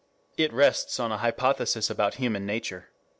It rests on an hypothesis about human nature.